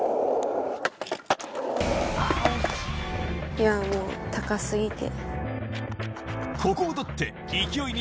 いやもう、高すぎて。